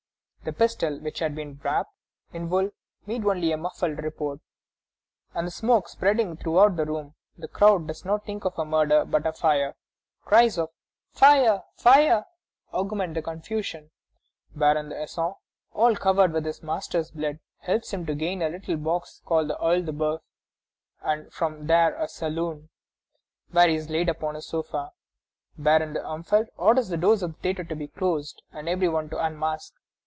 The pistol, which had been wrapped in wool, made only a muffled report, and the smoke spreading throughout the room, the crowd does not think of a murder, but a fire. Cries of "Fire! fire!" augment the confusion. Baron d'Essen, all covered with his master's blood, helps him to gain a little box called the OEil de Boeuf, and from there a salon, where he is laid upon a sofa. Baron d'Armfelt orders the doors of the theatre to be closed, and every one to unmask.